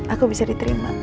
aku bisa diterima